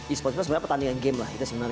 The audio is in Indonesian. esports itu sebenarnya pertandingan game lah